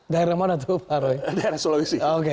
daerah mana tuh pak roy daerah sulawesi